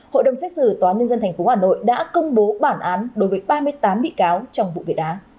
hội đồng xét xử tnth hà nội đã công bố bản án đối với ba mươi tám bị cáo trong vụ việt á